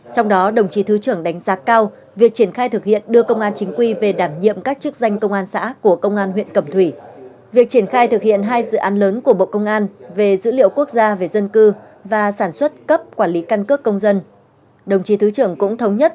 trong đó đồng chí thứ trưởng đánh giá cao việc triển khai thực hiện đưa công an chính quy về đảm nhiệm các chức danh công an xã của công an huyện cẩm thủy việc triển khai thực hiện hai dự án lớn của bộ công an về dữ liệu quốc gia về dân cư và sản xuất cấp quản lý căn cước công dân